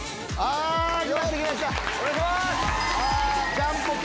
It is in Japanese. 「ジャンポケ」